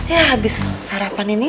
ya abis sarapan ini